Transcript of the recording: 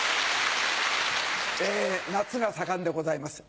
夏が盛んでございます。